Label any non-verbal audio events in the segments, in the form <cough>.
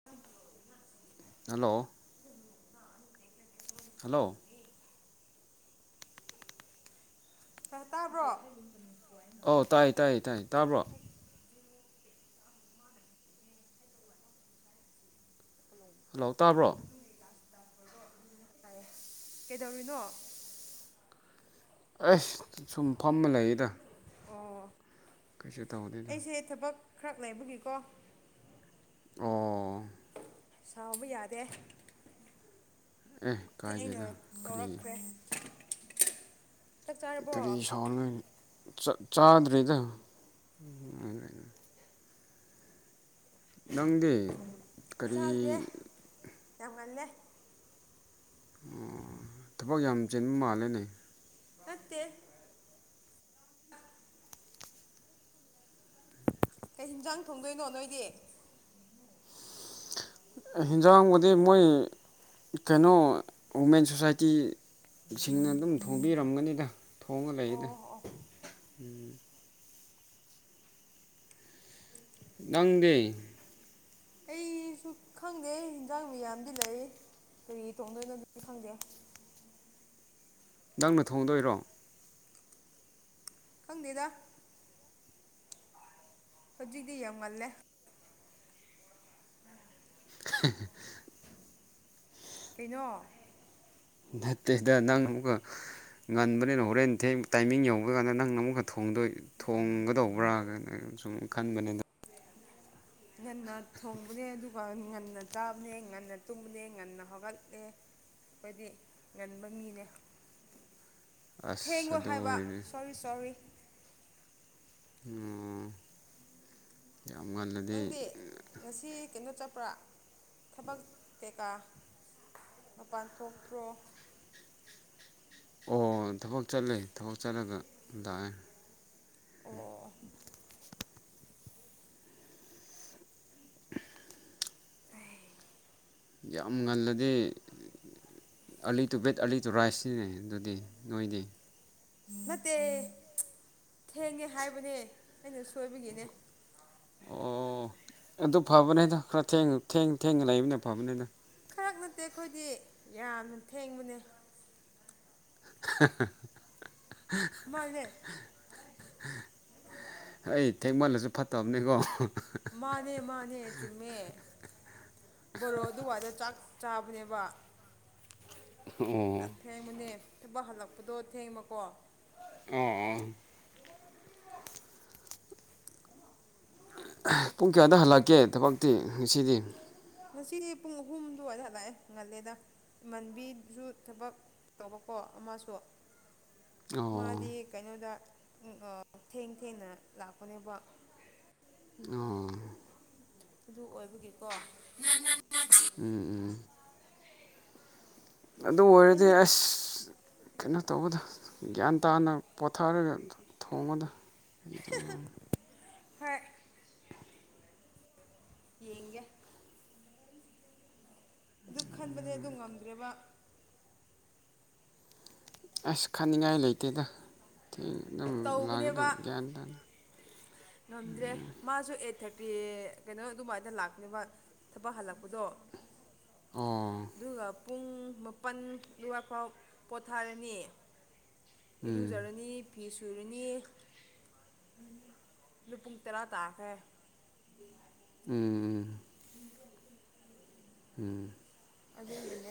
<unintelligible> hello <unintelligible> hello <unintelligible> ꯇꯥꯕ꯭ꯔꯣ ꯑꯧ ꯇꯥꯏ ꯇꯥꯏꯌꯦ ꯇꯥꯏ ꯇꯥꯕ꯭ꯔꯣ ꯍꯂꯣ ꯇꯥꯕ꯭ꯔꯣ ꯀꯩꯗꯧꯔꯤꯅꯣ ꯑꯩꯁ ꯁꯨꯝ ꯐꯝꯃ ꯂꯩꯌꯦꯗ ꯑꯣ ꯀꯩꯁꯨ ꯇꯧꯗꯦꯗ ꯑꯩꯁꯦ ꯊꯕꯛ ꯈꯔ ꯂꯩꯕꯒꯤꯀꯣ ꯑꯣ ꯁꯥꯎꯕ ꯌꯥꯗꯦ ꯑꯦ ꯊꯦꯡꯅ ꯀꯥꯏꯗꯦꯗ ꯀꯔꯤ ꯇꯧꯔꯛꯈ꯭ꯔꯦ ꯆꯥꯛ ꯆꯥꯔꯕꯣ ꯀꯔꯤ ꯁꯥꯎꯗꯣꯏꯅꯣ ꯆꯥ ꯆꯥꯗ꯭ꯔꯦꯗ ꯅꯪꯗꯤ ꯀꯔꯤ ꯆꯥꯗ꯭ꯔꯤꯍꯦ ꯌꯥꯝ ꯉꯜꯂꯦ ꯊꯕꯛ ꯌꯥꯝ ꯆꯤꯟ ꯃꯥꯜꯂꯦꯅꯦ ꯅꯠꯇꯦ ꯀꯩ ꯍꯤꯟꯖꯥꯡ ꯊꯣꯡꯗꯣꯏꯅꯣ ꯅꯣꯏꯗꯤ ꯍꯤꯟꯖꯥꯡꯕꯨꯗꯤ ꯃꯣꯏ ꯀꯩꯅꯣ ꯋꯨꯃꯦꯟ ꯁꯣꯁꯥꯏꯇꯤ ꯁꯤꯡꯅ ꯑꯗꯨꯝ ꯊꯣꯡꯕꯤꯔꯝꯒꯅꯤꯗ ꯊꯣꯡꯉ ꯂꯩꯗ ꯑꯣ ꯑꯣ <unintelligible> ꯅꯪꯗꯤ ꯑꯩꯁꯨ ꯈꯪꯗꯦ ꯌꯦꯟꯖꯥꯡ ꯃꯌꯥꯝꯗꯤ ꯂꯩ ꯀꯔꯤ ꯊꯣꯡꯗꯣꯏꯅꯣꯗꯨꯗꯤ ꯈꯪꯗꯦ ꯅꯪꯅ ꯊꯣꯡꯗꯣꯏꯔꯣ ꯈꯪꯗꯦꯗ ꯍꯧꯖꯤꯛꯇꯤ ꯌꯥꯝ ꯉꯜꯂꯦ <unintelligible> <unintelligible> ꯀꯩꯅꯣ ꯅꯠꯇꯦꯗ ꯅꯪ ꯑꯃꯨꯛꯀ ꯉꯟꯕꯅꯤꯅ ꯍꯣꯔꯦꯟ ꯊꯦꯡ ꯇꯥꯏꯃꯤꯡ ꯌꯧꯕ ꯀꯥꯟꯗ ꯅꯪꯅ ꯑꯃꯨꯛꯀ ꯊꯣꯡꯗꯣꯏ ꯊꯣꯡꯒꯗꯧꯕ꯭ꯔꯥꯒꯅ ꯁꯨꯝ ꯈꯟꯕꯅꯤꯗ ꯉꯟꯅ ꯊꯣꯡꯕꯅꯦ ꯑꯗꯨꯒ ꯉꯟꯅ ꯆꯥꯕꯅꯦ ꯉꯟꯅ ꯇꯨꯝꯕꯅꯦ ꯉꯟꯅ ꯍꯧꯒꯠꯂꯦ ꯑꯩꯈꯣꯏꯗꯤ ꯉꯟꯕ ꯃꯤꯅꯦ ꯑꯁ ꯊꯦꯡꯕ ꯑꯗꯨ ꯍꯥꯏꯕ ꯑꯣꯏꯔꯗꯤ ꯁꯣꯔꯤ ꯁꯣꯔꯤ ꯎꯝ ꯌꯥꯝ ꯉꯟꯂꯤ ꯅꯪꯗꯤ ꯉꯁꯤ ꯀꯩꯅꯣ ꯆꯠꯄ꯭ꯔꯥ ꯊꯕꯛ ꯀꯩꯀꯥ ꯃꯄꯥꯟ ꯊꯣꯛꯄ꯭ꯔꯣ ꯑꯣ ꯊꯕꯛ ꯆꯠꯂꯦ ꯊꯕꯛ ꯆꯠꯂꯒ ꯂꯥꯛꯑꯦ ꯑꯣ ꯌꯥꯝ ꯉꯜꯂꯗꯤ early to bed early to ꯔꯥꯏꯁꯁꯤꯅꯦ ꯑꯗꯨꯗꯤ ꯅꯣꯏꯗꯤ ꯅꯠꯇꯦ ꯊꯦꯡꯉꯦ ꯍꯥꯏꯕꯅꯦ ꯑꯩꯅ ꯁꯣꯏꯕꯒꯤꯅꯦ ꯑꯣ ꯑꯗꯨ ꯐꯕꯅꯦꯗ ꯈꯔ ꯊꯦꯡꯉ ꯊꯦꯡ ꯊꯦꯡꯉ ꯂꯩꯕꯅꯦ ꯐꯕꯅꯤꯗ ꯈꯔꯛ ꯅꯠꯇꯦ ꯑꯩꯈꯣꯏꯗꯤ ꯌꯥꯝꯅ ꯊꯦꯡꯕꯅꯦ <unintelligible> ꯃꯥꯅꯦ ꯍꯩ ꯊꯦꯡꯃꯜꯂꯁꯨ ꯐꯠꯇꯕꯅꯤꯀꯣ ꯃꯥꯅꯦ ꯃꯥꯅꯦ ꯆꯨꯝꯃꯦ ꯕꯣꯔꯣ ꯑꯗꯨꯋꯥꯏꯗ ꯆꯥꯛ ꯆꯥꯕꯅꯦꯕ ꯑꯣ ꯌꯥꯝ ꯊꯦꯡꯕꯅꯦ ꯊꯕꯛ ꯍꯜꯂꯛꯄꯗꯣ ꯊꯦꯡꯕꯀꯣ ꯑ ꯑ ꯄꯨꯡ ꯀꯌꯥꯗ ꯍꯜꯂꯛꯀꯦ ꯊꯕꯛꯇꯤ ꯉꯁꯤꯗꯤ ꯉꯁꯤꯗꯤ ꯄꯨꯡ ꯑꯍꯨꯝ ꯑꯗꯨꯋꯥꯏꯗ ꯍꯂꯛꯑꯦ ꯉꯜꯂꯦꯗ ꯏꯃꯥꯟꯕꯤꯁꯨ ꯊꯕꯛ ꯇꯧꯕꯀꯣ ꯑꯃꯁꯨ ꯑꯣ ꯃꯥꯗꯤ ꯀꯩꯅꯣꯗ ꯊꯦꯡ ꯊꯦꯡꯅ ꯂꯥꯛꯄꯅꯦꯕ ꯑꯣ ꯑꯗꯨ ꯑꯣꯏꯕꯒꯤꯀꯣ ꯎꯝ ꯎꯝ ꯑꯗꯨ ꯑꯣꯏꯔꯗꯤ ꯅꯪꯗꯤ ꯑꯁ ꯀꯩꯅꯣ ꯇꯧꯕꯗ ꯒ꯭ꯌꯥꯟ ꯇꯥꯅ ꯄꯣꯊꯥꯔꯒ ꯊꯣꯡꯕꯗ ꯑꯩꯗꯣ ꯍꯣꯏ ꯌꯦꯡꯒꯦ ꯑꯗꯨ ꯈꯟꯕꯅꯦ ꯑꯗꯨ ꯉꯝꯗ꯭ꯔꯦꯕ ꯑꯁ ꯈꯥꯅꯤꯡꯉꯥꯏ ꯂꯩꯇꯦꯗ ꯊꯦꯡ ꯑꯗꯨꯝ ꯂꯥꯛꯒꯗꯕ ꯒ꯭ꯌꯥꯟ ꯇꯥꯅ ꯅꯗ꯭ꯔꯦ ꯃꯥꯁꯨꯣ ꯑꯦꯊꯠ ꯄꯦ ꯀꯩꯅꯣ ꯑꯗꯨꯃꯥꯏꯅ ꯂꯥꯛꯅꯦꯕ ꯊꯕꯛ ꯍꯜꯂꯛꯄꯗꯣ ꯑꯣ ꯑꯗꯨꯒ ꯄꯨꯡ ꯃꯥꯄꯟ ꯑꯗꯨꯋꯥꯏ ꯐꯥꯎ ꯄꯣꯊꯥꯔꯅꯤ ꯎꯝ ꯏꯔꯨꯖꯔꯅꯤ ꯐꯤ ꯁꯨꯔꯅꯤ ꯄꯨꯡ ꯇꯔꯥ ꯇꯥꯈ꯭ꯔꯦ ꯎꯝ ꯎꯝ ꯎꯝ ꯑꯗꯨꯒꯤꯅꯦ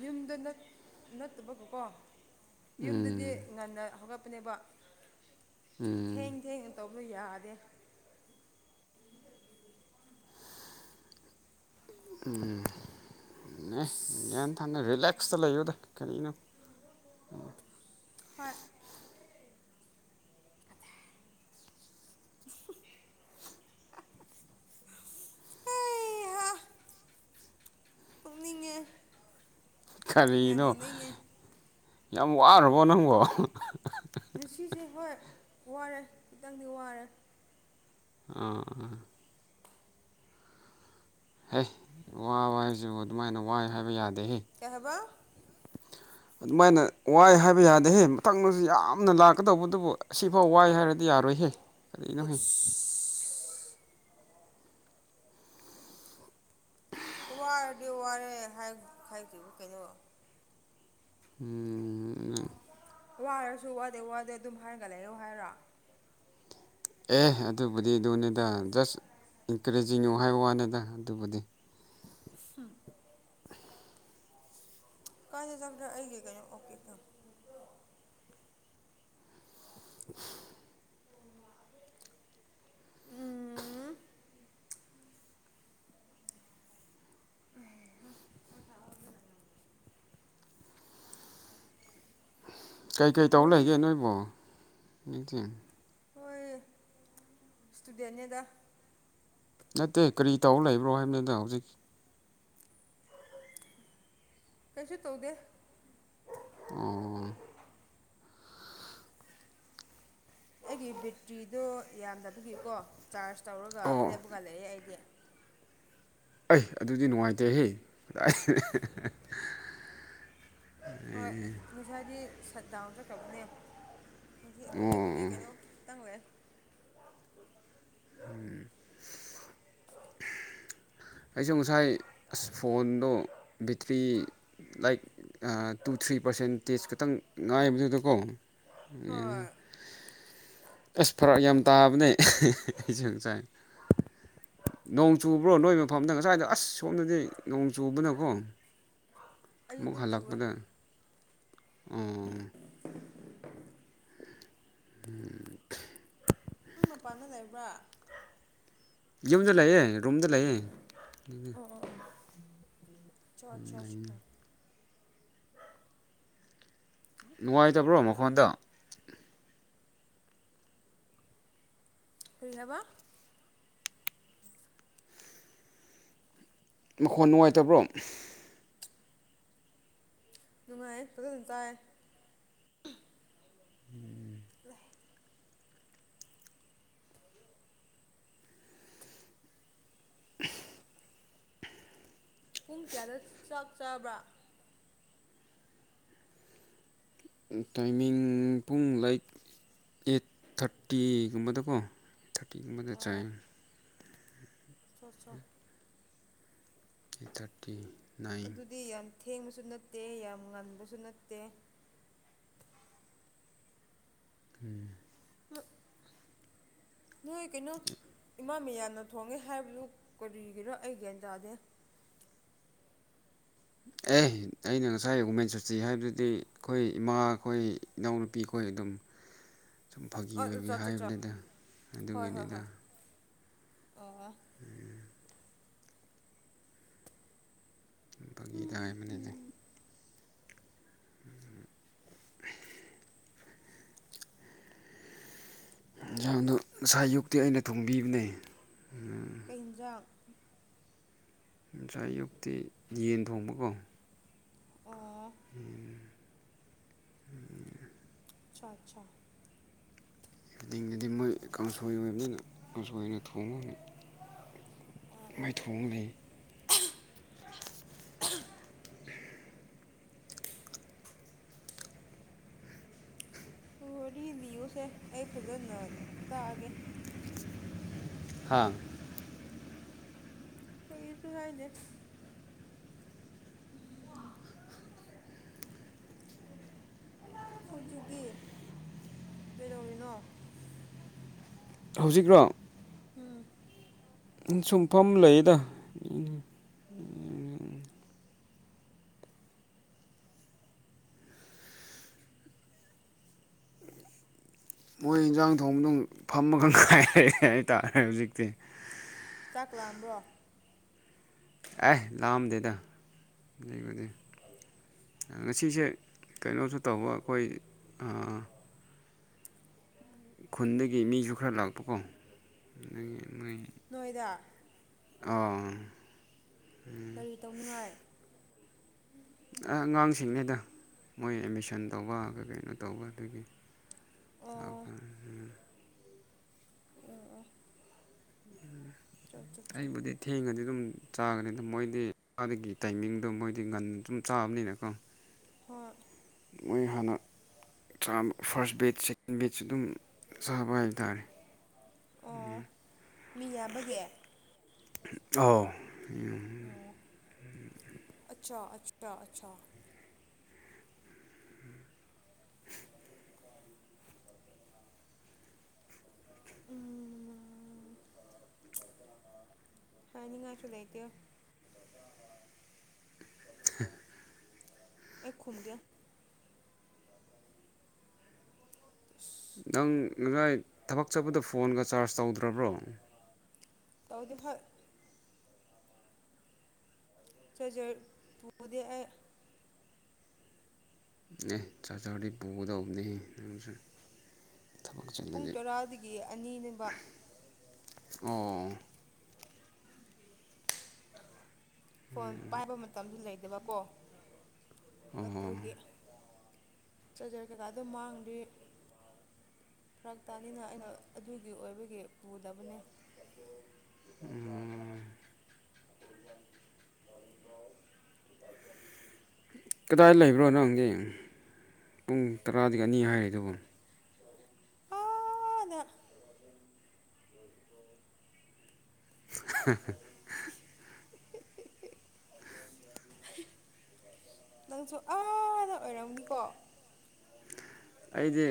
ꯌꯨꯝꯗ ꯅꯠꯇꯕꯀꯣꯀꯣ ꯌꯨꯝꯗꯨꯗꯤ ꯎꯝ ꯉꯟꯅ ꯍꯧꯒꯛꯄꯅꯦꯕ ꯊꯦꯡ ꯎꯝ ꯊꯦꯡꯅ ꯇꯧꯕꯁꯨ ꯌꯥꯗꯦ ꯎꯝ ꯑꯁ ꯊꯅ ꯔꯤꯂꯦꯛꯁꯇ ꯂꯩꯌꯨꯗ ꯀꯔꯤꯅꯣ ꯍꯣꯏ ꯑꯗ ꯑꯦꯉ ꯀꯔꯤꯅꯣ ꯌꯥꯝ ꯋꯥꯔꯕꯣ ꯅꯪꯕꯣ ꯉꯁꯤꯁꯦ ꯍꯣꯏ ꯋꯥꯔꯦ ꯈꯤꯇꯪꯗꯤ ꯋꯥꯔꯦ ꯑ ꯍꯦ ꯋꯥꯕ ꯍꯥꯏꯁꯨ ꯑꯗꯨꯃꯥꯏꯅ ꯋꯥꯏ ꯍꯥꯏꯕ ꯌꯥꯗꯦꯍꯦ ꯀꯍꯕ ꯑꯗꯨꯃꯥꯏꯅ ꯋꯥꯏ ꯍꯥꯏꯕ ꯌꯥꯗꯦꯍꯦ ꯃꯊꯪꯗꯁꯨ ꯌꯥꯝꯅ ꯂꯥꯛꯀꯗꯧꯕꯗꯨꯕꯨ ꯑꯁꯤꯐꯥꯎ ꯋꯥꯏ ꯍꯥꯏꯔꯗꯤ ꯌꯥꯔꯣꯏꯍꯦ ꯀꯔꯤꯒꯤꯅꯣ ꯍ ꯇꯨꯁ ꯋꯥꯔꯗꯤ ꯋꯥꯔꯦ ꯍꯥꯏꯈꯤꯕ ꯀꯩꯅꯣ ꯎꯝ ꯋꯥꯔꯁꯨ ꯋꯥꯗꯦ ꯋꯥꯗꯦ ꯑꯗꯨꯝ ꯍꯥꯏꯔꯒ ꯂꯩꯔꯣ ꯍꯥꯏꯔꯣ ꯑꯦ ꯑꯗꯨꯕꯨꯗꯤ ꯑꯗꯨꯅꯤꯗ ꯖꯁ ꯏꯟꯀꯔꯦꯖꯤꯡꯉꯣ ꯍꯥꯏꯕ ꯋꯥꯅꯤꯗ ꯑꯗꯨꯕꯨꯗꯤ ꯁ ꯀꯥꯏꯗ ꯆ ꯑꯩꯒꯦ ꯀꯣ ꯑꯣꯀꯦ ꯀ <unintelligible> ꯎꯝ ꯇꯥꯎ ꯀꯩꯀꯩ ꯇꯧ ꯋꯥꯔꯤ ꯂꯩꯒꯦ ꯅꯣꯏꯕꯨꯣ ꯌꯦ ꯏꯁ ꯇꯨꯗ ꯑꯅꯦꯗ ꯅꯠꯇꯦ ꯀꯔꯤ ꯇꯧꯕ ꯂꯩꯕ꯭ꯔꯣ ꯍꯥꯏꯕꯅꯤꯗ ꯍꯧꯖꯤꯛ ꯀꯩꯁꯨ ꯇꯧꯗꯦ ꯎꯝ ꯑꯩꯒꯤ ꯕꯦꯇ꯭ꯔꯤꯗꯨꯣ ꯌꯥꯝꯗꯕꯒꯤꯀꯣ ꯆꯥꯔꯖ ꯇꯧꯔꯒ ꯑꯣ ꯂꯦꯞꯄꯒ ꯂꯩꯔꯦ ꯑꯩꯗꯤ ꯑꯩ ꯑꯗꯨꯗꯤ ꯅꯨꯡꯉꯥꯏꯇꯦꯍ ꯍꯣꯏ ꯉꯁꯥꯏꯗꯤ ꯁꯠ ꯗꯥꯎꯟ ꯆꯠꯀꯕꯅꯦ ꯉ ꯑꯣ ꯍꯧꯖꯤꯛꯄꯨꯗꯤ ꯑꯣ ꯀꯩꯅꯣ ꯇꯪꯦ ꯎꯝ ꯑꯩꯁꯨ ꯉꯁꯥꯏ ꯑꯁ ꯐꯣꯟꯗꯣ battery like two three percentage ꯈꯇꯪ ꯉꯥꯏꯕꯗꯨꯗꯀꯣ ꯎꯝ ꯍꯣꯏ ꯑꯁ ꯐꯔꯛ ꯌꯥꯝ ꯇꯥꯕꯅꯦ ꯑꯩꯁꯨ ꯉꯁꯥꯏ ꯅꯣꯡ ꯆꯨꯕ꯭ꯔꯣ ꯅꯣꯏꯃꯛ ꯃꯐꯝꯗ ꯉꯁꯥꯏꯗ ꯑꯁ ꯁꯣꯝꯗꯗꯤ ꯅꯣꯡ ꯆꯨꯕꯅꯀꯣ ꯑꯃꯨꯛ ꯑꯌꯨꯛꯇ ꯆꯨꯋꯦ ꯍꯜꯂꯛꯄꯗ ꯑꯣ ꯎꯝ ꯅꯪ ꯃꯄꯥꯟꯗ ꯂꯩꯕ꯭ꯔꯥ ꯌꯨꯝꯗ ꯂꯩꯌꯦ ꯔꯨꯝꯗ ꯂꯩꯌꯦ ꯆꯣꯠ ꯆꯣꯠ ꯅꯨꯡꯉꯥꯏꯇꯕ꯭ꯔꯣ ꯃꯈꯣꯟꯗꯣ ꯀꯔꯤ ꯍꯥꯏꯕ ꯃꯈꯣꯟ ꯅꯨꯡꯉꯥꯏꯇꯕ꯭ꯔꯣ ꯅꯨꯡꯉꯥꯏꯌꯦ ꯐꯖꯅ ꯇꯥꯏꯌꯦ <inaudible> <unintelligible> ꯄꯨꯡ ꯀꯌꯥꯗ ꯆꯥꯛ ꯆꯥꯕ꯭ꯔꯥ ꯇꯥꯏꯃꯤꯡ ꯄꯨꯡ ꯂꯥꯏꯛ ꯑꯦꯠ ꯊꯥꯔꯇꯤꯒꯨꯝꯕꯗꯀꯣ ꯊꯥꯔꯇꯤꯒꯨꯝꯕꯗ ꯆꯥꯏ ꯆꯣ ꯆꯣ ꯏꯇꯠ ꯑꯗꯨꯗꯤ ꯌꯥꯝ ꯊꯦꯡꯕꯁꯨ ꯅꯠꯇꯦ ꯌꯥꯝ ꯉꯟꯕꯁꯨ ꯅꯠꯇꯦ ꯎꯝ <inaudible> ꯅꯣꯏ ꯀꯩꯅꯣ ꯏꯃꯥ ꯃꯌꯥꯝꯅ ꯊꯣꯡꯉꯦ ꯍꯥꯏꯕꯗꯨ ꯀꯔꯤꯒꯤꯔ ꯑꯩ ꯒ꯭ꯌꯥꯟ ꯇꯥꯗꯦ ꯑꯦ ꯑꯩꯅ ꯉꯁꯥꯏ ꯋꯨꯃꯦꯟ ꯁꯣꯁꯇꯤ ꯍꯥꯏꯕꯗꯨꯗꯤ ꯑꯩꯈꯣꯏ ꯏꯃꯥ ꯈꯣꯏ ꯏꯅꯥꯎꯅꯨꯄꯤ ꯈꯣꯏ ꯑꯗꯨꯝ <inaudible> ꯁꯨꯝ ꯐꯥꯒꯤ ꯑꯥ ꯆꯥ ꯑꯣꯏꯕꯩ ꯆꯥ ꯆꯥ ꯍꯥꯏꯕꯅꯤꯗ ꯍꯣꯏ ꯍꯣꯏ ꯑꯗꯨꯒꯤꯅꯤꯗ ꯍꯣꯏ ꯑꯣ ꯐꯒꯤꯗ ꯍꯥꯏꯕꯅꯤꯗ <inaudible> ꯏꯟꯖꯥꯡꯗꯣ ꯉꯁꯥꯏ ꯑꯌꯨꯛꯇꯤ ꯑꯩꯅ ꯊꯣꯡꯕꯤꯕꯅꯦ ꯀꯩ ꯏꯟꯖꯥꯡ ꯉꯁꯥꯏ ꯑꯌꯨꯛꯇꯤ ꯌꯦꯟ ꯊꯣꯡꯕꯀꯣ ꯑꯣ ꯎꯝ ꯑꯆꯥ ꯑꯆꯥ <unintelligible> ꯃꯣꯏ ꯀꯥꯡꯁꯣꯏ ꯑꯣꯏꯕꯅꯤꯅ ꯀꯥꯡꯁꯣꯏꯅ ꯊꯣꯡꯉꯣꯅꯤ ꯑꯣ ꯃꯥꯏ ꯊꯣꯡ ꯂꯩ ꯋꯥꯔꯤ ꯂꯤꯌꯨꯁꯦ ꯑꯩ ꯐꯖꯅ ꯇꯥꯒꯦ ꯍꯥꯥ ꯀꯔꯤꯁꯨ ꯍꯥꯏꯗꯦ <inaudible> ꯍꯧꯖꯤꯛꯇꯤ ꯀꯩꯗꯧꯔꯤꯅꯣ ꯍꯧꯖꯤꯛꯔꯣ ꯎꯝ ꯁꯨꯡꯐꯝ ꯂꯩꯗ ꯏꯅꯦ ꯃꯣꯏ ꯏꯟꯖꯥꯡ ꯊꯣꯡꯗ ꯐꯝꯃ ꯈꯪꯈꯥꯏꯔꯛꯑꯦ ꯍꯥꯏꯇꯥꯔꯦ ꯍꯧꯖꯤꯛꯇꯤ ꯆꯥꯛ ꯂꯥꯛꯑꯝꯕ꯭ꯔꯣ ꯑꯦꯍ ꯂꯝ ꯗꯦꯗꯣꯗꯤ ꯉꯁꯤꯁꯦ ꯀꯩꯅꯣꯁꯨ ꯇꯧꯕ ꯑꯩꯈꯣꯏ ꯈꯨꯟꯗꯒꯤ ꯃꯤꯁꯨ ꯈꯔ ꯂꯥꯛꯄꯀꯣ ꯑꯗꯒꯤ ꯃꯣꯏ ꯅꯣꯏꯗ ꯑ ꯀꯔꯤ ꯇꯧꯅꯤꯉꯥꯏ ꯑꯉꯥꯡꯁꯤꯡꯉꯩꯗ ꯃꯣꯏ ꯑꯦꯠꯃꯤꯁꯟ ꯇꯧꯕ ꯀ ꯀꯩꯅꯣ ꯇꯧꯕ ꯑꯗꯨꯒꯤ ꯆꯥꯎ ꯑꯣ ꯎꯝ ꯎ ꯆꯣ ꯑꯩꯕꯨ ꯊꯦꯡꯉꯗꯤ ꯑꯗꯨꯝ ꯆꯥꯒꯅꯤ ꯑꯗꯨ ꯃꯣꯏꯗꯤ ꯑꯥꯗꯒꯤ ꯇꯥꯏꯃꯤꯡꯗꯣ ꯃꯣꯏꯗꯤ ꯉꯒꯟ ꯁꯨꯝ ꯆꯥꯕꯅꯤꯅꯀꯣ ꯍꯣꯏ ꯃꯣꯏ ꯍꯥꯟꯅ ꯆꯥꯕ ꯐꯥꯔꯁ ꯕꯦꯗ ꯁꯦꯀꯦꯟ ꯕꯦꯗꯁꯨ ꯑꯗꯨꯝ ꯆꯥꯕ ꯍꯥꯏꯇꯥꯔꯦ ꯑꯣ ꯃꯤ ꯌꯥꯕꯒꯦ ꯑ ꯑꯣ ꯑꯆꯥ ꯑꯆꯥꯆꯥ ꯑꯆꯥ ꯎꯝ ꯁꯥꯏꯅꯤꯡꯉꯥꯏꯁꯨ ꯂꯩꯥꯏꯇꯣ ꯍ ꯑꯩ ꯈꯣꯝꯒꯦ ꯑ ꯅꯪ ꯉꯁꯥꯏ ꯊꯕꯛ ꯆꯠꯄꯗ ꯐꯣꯟꯒ ꯆꯥꯔꯖ ꯇꯧꯗ꯭ꯔꯕ꯭ꯔꯣ ꯇꯧꯗꯨ ꯍꯣꯏ ꯆꯖ ꯄꯨꯗꯤ ꯑꯦ ꯆꯥ ꯆꯋꯥ ꯋꯥꯔꯤꯤ ꯄꯨꯎꯗ ꯍꯅꯤ ꯄꯨꯡ ꯇꯔꯥꯗꯒꯤ ꯑꯅꯤꯅꯦꯕ ꯑꯣ ꯐꯣꯟ ꯄꯥꯏꯕ ꯃꯇꯝꯁꯨ ꯂꯩꯗꯕꯀꯣ ꯑꯣ ꯑꯗꯨꯒꯤ ꯆꯥꯖꯔ ꯀꯩꯀꯥ ꯑꯗꯨ ꯃꯥꯡꯗꯦ ꯐꯔꯛꯇꯥꯅꯤꯅ ꯑꯩꯅ ꯑꯗꯨꯒꯤ ꯑꯣꯏꯕꯒꯤ ꯄꯨꯗꯕꯅꯦ ꯑꯣ ꯀꯗꯥꯏ ꯂꯩꯕ꯭ꯔꯣ ꯅꯪꯗꯤ ꯄꯨꯡ ꯇꯔꯥꯗꯒꯤ ꯑꯅꯤ ꯍꯥꯏꯔꯦ ꯑꯗꯨꯕꯨ ꯑꯗ <inaudible> <inaudible> ꯅꯪꯁꯨ ꯑꯥꯗ ꯑꯣꯏꯔꯝꯅꯤꯀꯣ ꯑꯩꯗꯤ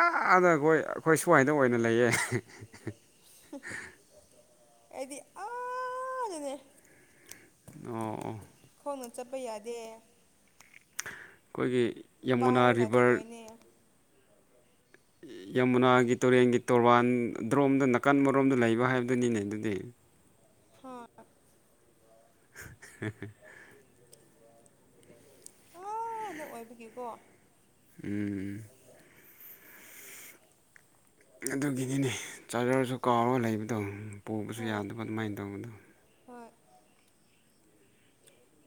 ꯑꯥꯗ ꯑꯩꯈꯣꯏ ꯑꯩꯈꯣꯏ ꯁ꯭ꯋꯥꯏꯗ ꯑꯣꯏꯅ ꯂꯩꯌꯦ ꯑꯩꯗꯤ ꯑꯔꯅꯦ ꯑꯣ ꯑꯣ ꯈꯣꯡꯅ ꯆꯠꯄ ꯌꯥꯗꯦ ꯑꯩꯈꯣꯏꯒꯤ ꯌꯃꯨꯅꯥ ꯄꯥꯏꯔꯒ ꯔꯤꯕꯔ ꯆꯠꯇꯣꯏꯅꯦ ꯌꯃꯨꯅꯥꯒꯤ ꯇꯨꯔꯦꯟꯒꯤ ꯇꯣꯔꯕꯥꯟꯗ꯭ꯔꯣꯝꯗ ꯅꯥꯀꯟꯕꯔꯣꯝꯗ ꯂꯩꯕ ꯍꯥꯏꯕꯗꯨꯅꯤꯅꯦ ꯑꯗꯨꯗꯤ ꯍꯥꯠ <inaudible> <inaudible> ꯑꯥꯅ ꯑꯣꯏꯕꯒꯤꯀꯣ ꯎꯝ ꯎꯝ ꯑꯗꯨꯒꯤꯗꯤꯅꯦ ꯆꯥꯔꯖꯔꯁꯨ ꯀꯥꯎꯔꯒ ꯂꯩꯕꯗꯣ ꯄꯨꯕꯁꯨ ꯍꯣꯏ ꯌꯥꯗꯕ ꯑꯗꯨꯃꯥꯏꯅ ꯇꯧꯕꯗꯣ ꯍꯣꯏ